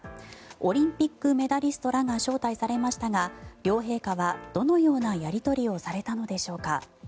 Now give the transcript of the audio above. オリンピックメダリストらが招待されましたが両陛下は、どのようなやり取りをされたのでしょうか。